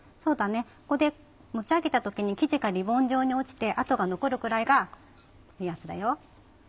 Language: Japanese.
ここで持ち上げた時に生地がリボン状に落ちてあとが残るくらいが目安だよ。